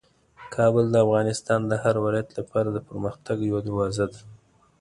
کابل د افغانستان د هر ولایت لپاره د پرمختګ یوه دروازه ده.